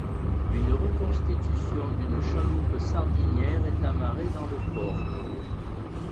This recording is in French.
Une reconstitution d'une chaloupe sardinière est amarrée dans le port.